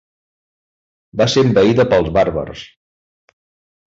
Va ser envaïda pels bàrbars.